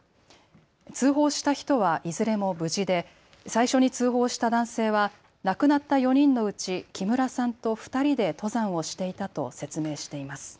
通報した人はいずれも無事で最初に通報した男性は亡くなった４人のうち木村さんと２人で登山をしていたと説明しています。